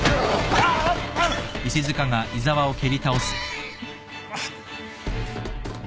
あっ。